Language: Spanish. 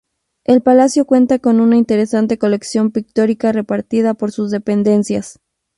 El palacio cuenta con una interesante colección pictórica repartida por sus dependencias.